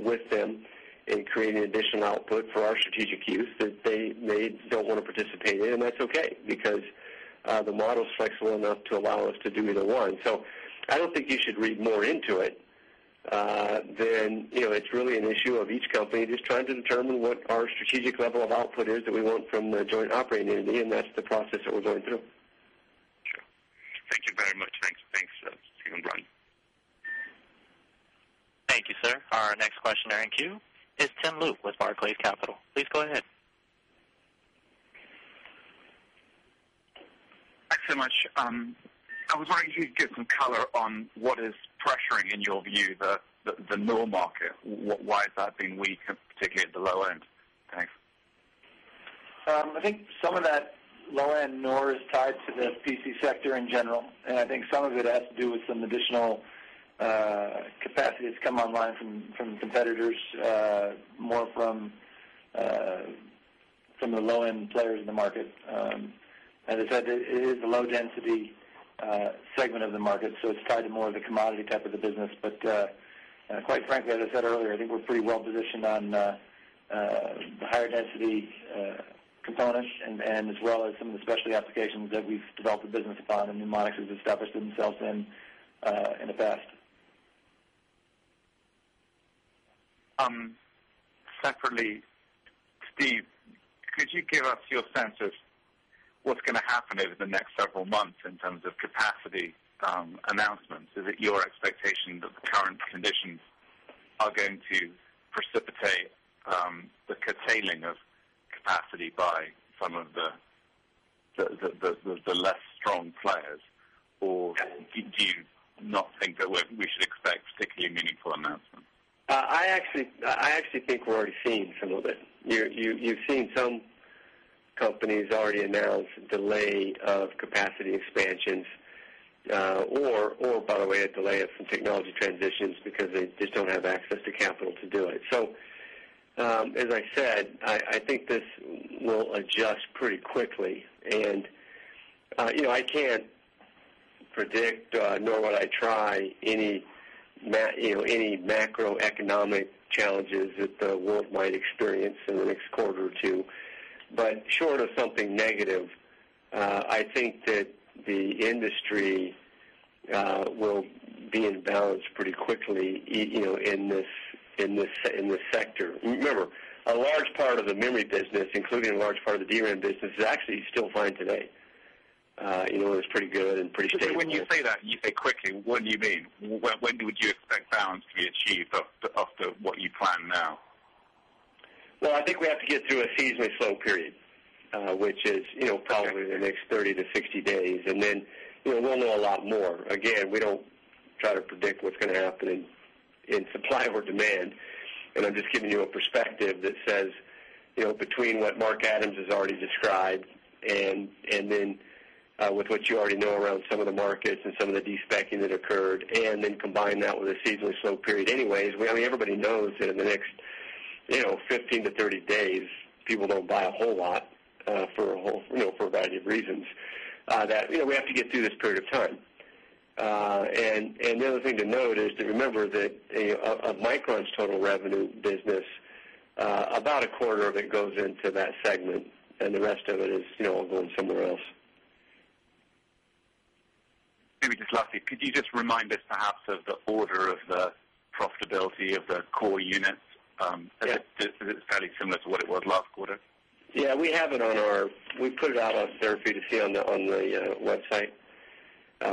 with them and creating additional output for our strategic use that they may don't want to participate in. And that's okay because, the model is flexible enough to allow us to do either one. So don't think you should read more into it. Then it's really an issue of each company. Just trying to determine what our strategic level of putters that we want from joint operating entity, and that's the process that we're going through. Soon, Brian. Thank you, sir. Our next questioner in queue is Tim Lu with Barclays Capital. Please go ahead. Thanks so much. I was wondering if you could give some color on what is pressuring in your view, the lower market, why has that been weak and particularly at the low end? Thanks. I think some of that low end nor is tied to the PC sector in general. And I think some of it has to do with some additional capacity has come online from competitors, more from the low end players in the market. As I said, it is the low density segment of the market. So it's tied to more of the commodity type of the business. But quite frankly, as I said earlier, I think we're pretty well positioned on the higher density components and as well as some of the specialty applications that we've developed the business upon and Mnemonics has established themselves in in the past. Secondly, Steve, could you give us your sense of what's going to happen over the next several months in terms of capacity, announcement so that your expectations of current conditions are going to precipitate, the curtailing of capacity by some of the less strong players? Or did you not think that we should expect particularly meaningful announcement? I actually think we're already seeing some of it. You've seen some companies already announced delay of capacity expansions, or by the way, a delay of some technology transitions because they just don't have a capital to do it. So, as I said, I think this will adjust pretty quickly. And I can't predict nor would I try any, you know, any macroeconomic challenges that the world might experience in the next quarter or 2 But short of something negative, I think that the industry will being balanced pretty quickly in this, in this sector. Remember, a large part of the memory business, including a large part of the DRAM business, is actually still fine today. It was pretty good and pretty stable. When you say that quickly, what do you mean? When do you expect balance to be achieved after what you plan now? Well, I think we have to get through a seasonally slow period, which is probably in the next 30 to 60 days. And then we'll know a lot more. Again, we don't try to predict what's going to happen in supply or demand. And I'm just giving you a perspective that says, between what Mark Adams has already described. And then with what you already know around some of the markets and some of the destocking that occurred. And then combine that with a seasonally slow period anyways. I mean, everybody knows that in the next 15 to 30 days, people don't buy a whole lot. For a whole for a variety of reasons, that we have to get through this period of time. And the other thing to note is to remember that a micron's total revenue business, about a quarter of it goes into that segment and the rest of it is going somewhere else. Maybe just lastly, could you just remind us perhaps of the order of the profitability of the core unit Is it fairly similar to what it was last quarter? Yes, we have it on our we put it out on our therapy to see on the website.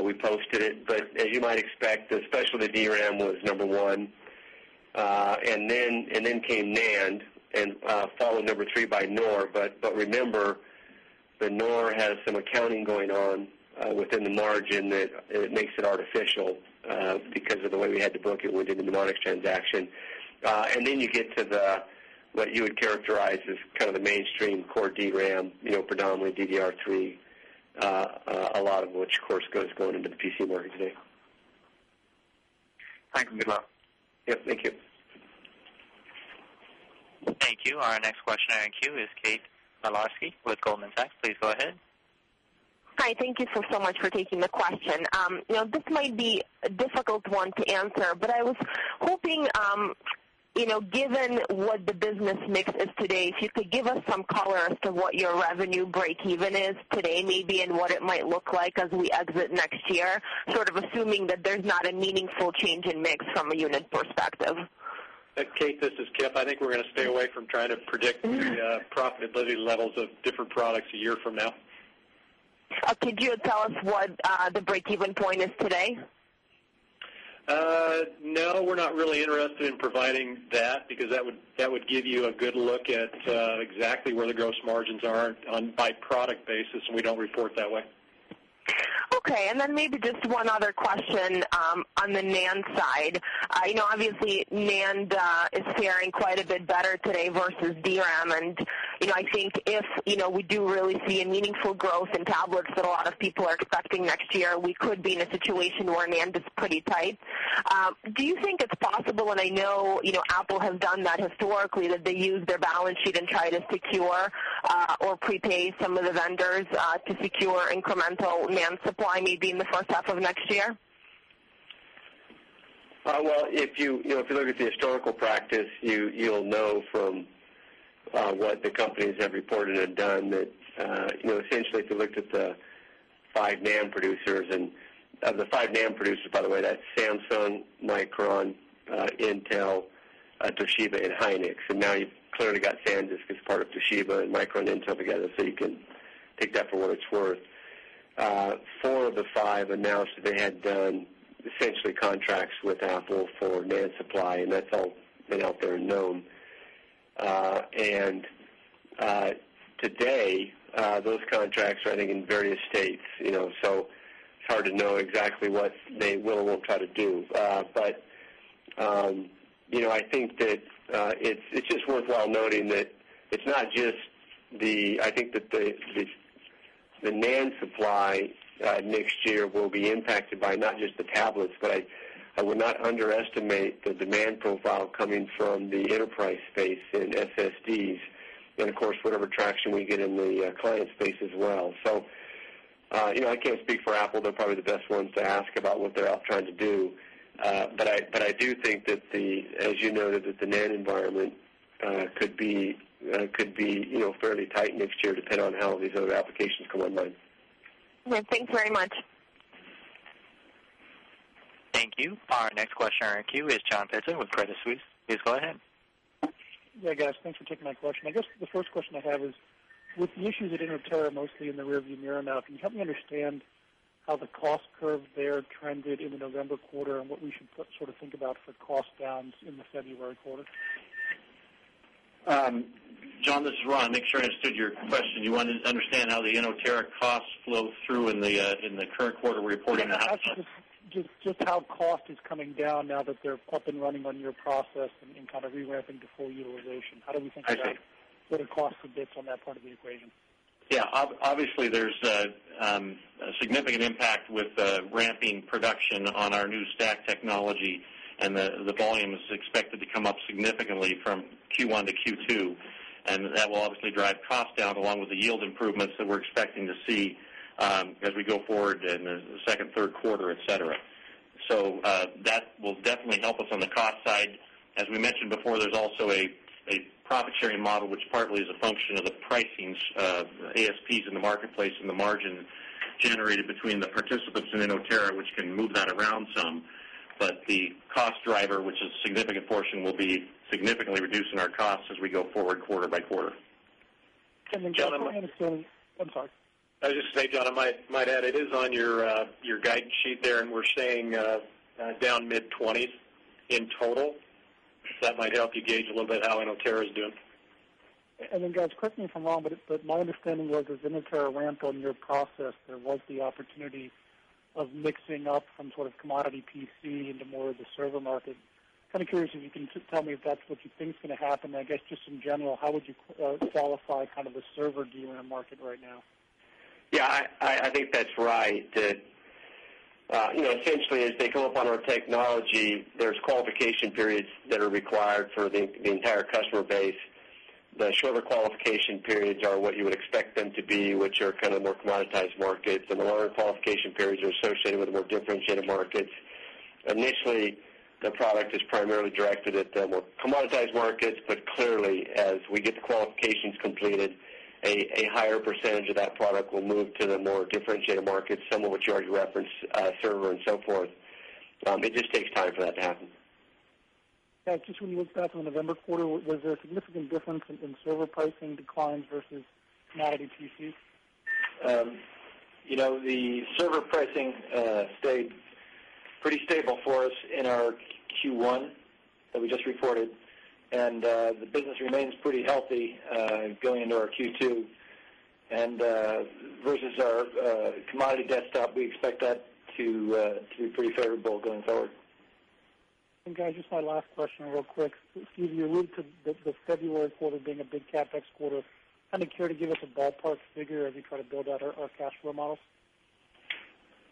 We posted it. But as you might expect, especially the DRAM was number 1. And then came NAND and, fallen number 3 by NOR. But remember, the NOR has some accounting going on within the margin that it makes it artificial. Because of the way we had to book it within the Mnemonic transaction. And then you get to the what you would characterize as kind of the mainstream core DRAM predominantly DDR3, a lot of which of course goes going into the PC market today. Yes, thank you. Thank you. Our next questioner in queue is Kate Maloski with Goldman Sachs. Please go ahead. Hi. Thank you so so much for taking the question. You know, this might be a difficult one to answer, but I was hoping, you know, given what the business mix is today, if you could give us some color as to what your revenue breakeven is today maybe and what it might look like as we exit next year, sort of assuming that there's not a meaningful change in mix from a unit perspective? Kate, this is Kipp. I think we're going to stay away from trying to predict the profitability levels of different products a year from now. Could you tell us what the breakeven point is today? No, we're not really interested in providing that because that would, that would give you a good look at exactly where the gross margins are. On by product basis, so we don't report that way. Okay. And then maybe just one other question, on the NAND side. You know, obviously NAND is faring quite a bit better today versus DRAM. And, you know, I think if, you know, we do really see a meaningful growth in tablets that a lot of people are expecting year, we could be in a situation where Amanda's pretty tight. Do you think it's possible? And I know, you know, Apple has done that workly that they use their balance sheet and try to secure, or prepay some of the vendors, to secure incremental NAND supply maybe in the first half of next year? Well, if you look at the historical practice, you'll know from what the companies have reported had done that essentially to look at the 5 NAND Producers and the 5 NAND producer, by the way, that Samsung Micron Intel Toshiba and Hynix. And now you've clearly got Sandisk as part of Toshiba and Micron Intel together, so you can take that for what it's worth. 4 of the 5 announced that they had done essentially contracts with Apple for NAND supply, and that's all and out there are known. And today, those contracts, I think, in various states. So hard to know exactly what they will and we'll try to do. But, I think that it's just worthwhile noting that It's not just the I think that the NAND supply next year will be impacted by not just the tablets, but I would not underestimate the demand profile coming from the enterprise space in SSDs. And of course, whatever traction we get in the client space as well. So I can't speak for Apple, they're probably the best ones to ask about what they're up trying to do. But I do think that the, as you noted, that the NAND environment could be, could be fairly tight next year depending on how these other applications come online. Thank you. Our next questioner in queue is John Pitzer with Credit Suisse. Please go ahead. Yes, guys. Thanks for taking my question. I guess the first question I have is with issues at Innoterra mostly in the rearview mirror now, can you help me understand how the cost curve there trended in the November quarter and what we should sort of think about for cost downs in the February quarter? John, this is Ron. Make sure I understood your question. You wanted to understand how the esoteric costs flow through in the current quarter. We're reporting that. Just how cost is coming down now that they're up and running on your process and kind of re ramping to full utilization. Do we think about getting cost of debt from that point of the equation? Yes. Obviously, there's a significant impact with the ramping production on our new stack technology and the volume is expected to come up significantly from Q1 to Q2. And that will drive costs down along with the yield improvements that we're expecting to see, as we go forward in the second, third quarter, etcetera. So, that will definitely help us on the cost side. As we mentioned before, there's also a profit sharing model, which partly is a function of the pricings ASPs in the marketplace and the margin generated between the participants and in Oterra, which can move that around some, but the cost driver, which is a significant portion, will be significantly reducing our costs as we go forward quarter by quarter. Just say, John, I might add, it is on your, your guidance sheet there and we're staying, down mid-20s in total. That might help you gauge a little bit, Alan Alterra is doing. And then guys, correct me if I'm wrong, but my understanding was the cemetery ramp on your process, there was the opportunity of mixing up some sort of commodity PC into more of the server market. Kind of curious if you can just tell me if that's what you think is going to happen. I guess just in general, how would satisfy kind of a server do you want to market right now? Yes, I think that's right. Essentially, as they come up on our technology, there's qualification periods that are required for the entire customer base. The shorter qualification periods are what you expect them to be, which are kind of more commoditized markets and a lot of qualification periods are associated with more differentiated markets. Initially, the product is primarily directed at the more commoditized markets, but clearly as we get the qualifications completed, a higher percentage of product will move to the more differentiated markets, some of which you already referenced server and so forth. It just takes time for that to happen. Just when you look back on November quarter, was there a significant difference in server pricing declines versus commodity TC? The server pricing stayed pretty stable for us in our Q1 that we just reported and the business remains pretty healthy, going into our Q2 and, versus our commodity desktop, we expect that to pretty favorable going forward. And guys, just my last question real quick. Steve, you alluded to the February quarter being a big CapEx quarter kind of curious to give us a ballpark figure as you kind of build out our cash flow models?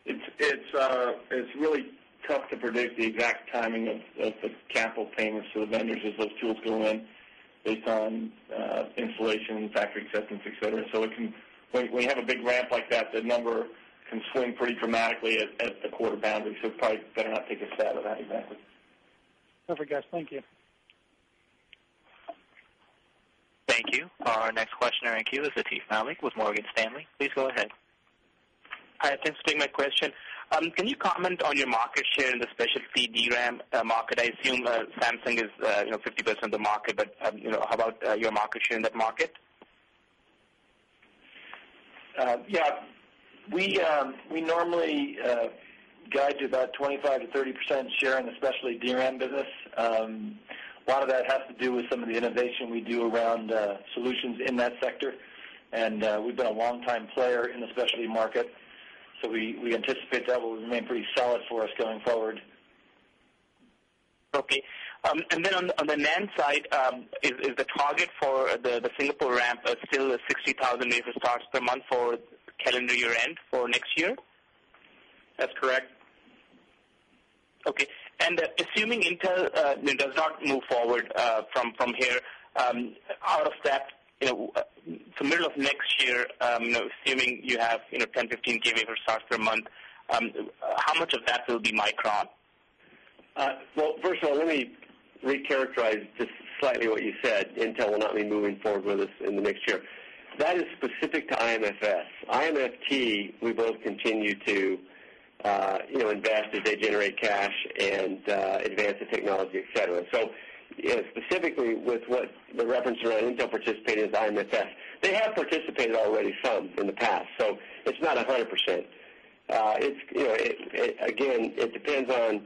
It's, it's really tough to predict the exact timing of the capital payments to the vendors as those tools go in based on, insulation, factory acceptance, etcetera. So it can We have a big ramp like that. The number can swing pretty dramatically at the quarter boundary, so probably better not take a step out of that exactly. Perfect guys. Thank you. Thank you. Our next questioner in queue is Atif Nalik with Morgan Stanley. Please go ahead. Hi, thanks for taking my question. Can you comment on your market share in the specialty DRAM market? I assume Samsung 50% of the market, but how about your market share in that market? We, we normally guide to about 25% to 30% share in the specialty DRAM business. A lot of that has to do with some of the innovation we do around solutions in that sector. And we've been a longtime player in the specialty market. So we anticipate that will remain pretty solid for us going forward. Okay. And then on the NAND side, is is the target for the the Singapore ramp still a 60,000 wafer starts per month for calendar year end for next year? That's correct. Okay. And assuming Intel does not move forward from here, out of that, you know, for middle of next year, assuming you have, you know, 1015 gigahertz per month, how much of that will be Micron? Well, first of all, let me recharacterize just slightly what you said. Intel will not be moving forward with in the next year. That is specific to IMFS. IMFT, we both continue to, invest as they generate cash and, advance technology, etcetera. And so, yeah, specifically with what the reference running, don't participate in the environment test. They have participated already in the past. So it's not 100%. It's again, it depends on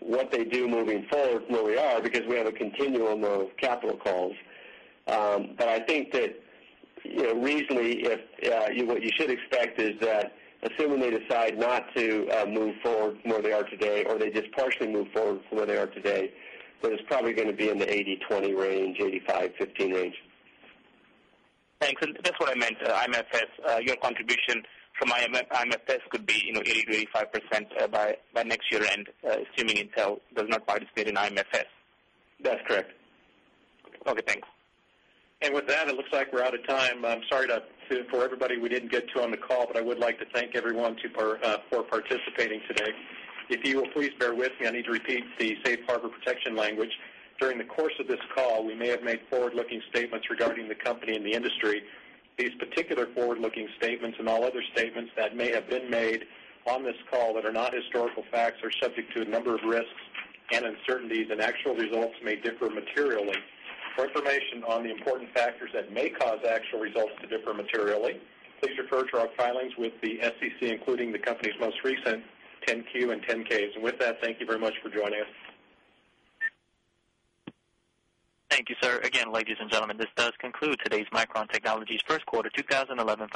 what they do moving forward, where we are, because we have a continuum of capital calls. But I think that, you know, reasonably what you should expect is that assuming they decide not to move forward where they are today or they just partially move forward from where they are today, but it's probably going to be in the eightytwenty range, eighty fivefifteen range. Thanks. And that's what I meant, IMFS, your contribution from IMFS could be 80, 85% by next ye/ar end. Assuming Intel does not quite state an IMFS? That's correct. Okay. Thanks. And with that, it looks like we're out of time. I'm sorry to for everybody we didn't get to on the call, but I would like to thank everyone for, for participating today. If you will please bear with me. I need to repeat the safe harbor protection language During the course of this call, we may have made forward looking statements regarding the company and the industry. These particular forward looking statements and all other statements that may have been made on this call that are not historical facts are subject to a number of risks and uncertainties that actual results may differ materially For information on the important factors that may cause actual results to differ materially, please refer to our filings with the SEC, including the company's most recent 10 Q and 10 Ks. And with that, thank you very much for joining us. Thank you, sir. Again, ladies and gentlemen, this does conclude today's Micron Technologies first quarter 2011